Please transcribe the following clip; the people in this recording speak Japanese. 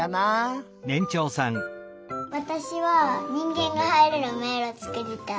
わたしはにんげんがはいれるめいろつくりたい。